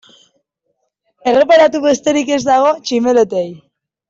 Erreparatu besterik ez dago tximeletei.